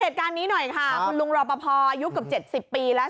เหตุการณ์นี้หน่อยค่ะคุณลุงรอปภอายุเกือบ๗๐ปีแล้ว